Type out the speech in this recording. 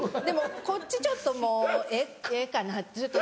でもこっちちょっともうええかな。